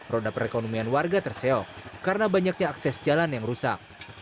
roda perekonomian warga terseok karena banyaknya akses jalan yang rusak